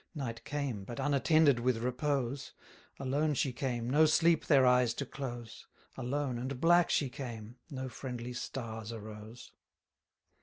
Night came, but unattended with repose; Alone she came, no sleep their eyes to close: Alone, and black she came; no friendly stars arose.